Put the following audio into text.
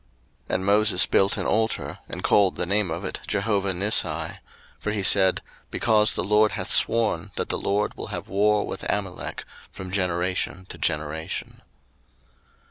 02:017:015 And Moses built an altar, and called the name of it Jehovahnissi: 02:017:016 For he said, Because the LORD hath sworn that the LORD will have war with Amalek from generation to generation.